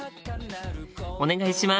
お願いします！